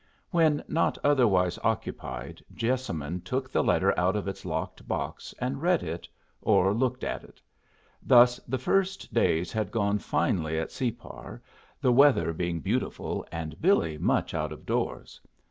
When not otherwise occupied Jessamine took the letter out of its locked box and read it, or looked at it. Thus the first days had gone finely at Separ, the weather being beautiful and Billy much out of doors.